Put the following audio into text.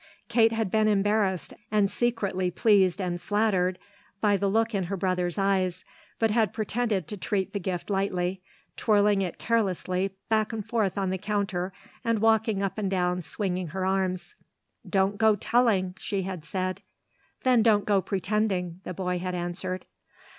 Kate had been embarrassed and secretly pleased and flattered by the look in her brother's eyes, but had pretended to treat the gift lightly, twirling it carelessly back and forth on the counter and walking up and down swinging her arms. "Don't go telling," she had said. "Then don't go pretending," the boy had answered.